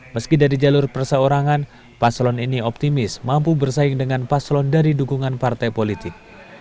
meski dari jalur perseorangan paslon ini optimis mampu bersaing dengan paslon dari dukungan partai politik